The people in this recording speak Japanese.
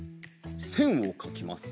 せんをかきます！